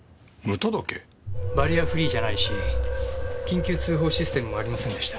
バリアフリーじゃないし緊急通報システムもありませんでした。